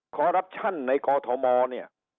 คอรัปชั่นในกอทมเนี่ย